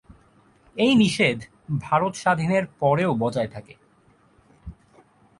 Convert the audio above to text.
এই নিষেধ ভারত স্বাধীনের পরেও বজায় থাকে।